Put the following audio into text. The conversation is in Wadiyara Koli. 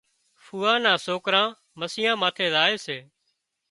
ڦوئا نا سوڪران مسيان ماٿي زائي سي